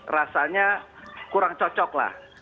rasanya kurang cocoklah